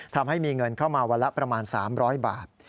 ทำให้มีเงินเข้ามาวันละประมาณ๓๐๐บาท